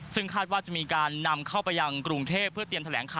ซึ่งคาดว่าจะมีการนำเข้าไปยังกรุงเทพเพื่อเตรียมแถลงข่าว